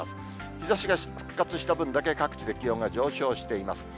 日ざしが復活した分だけ、各地で気温が上昇しています。